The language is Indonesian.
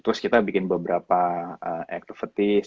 terus kita bikin beberapa activities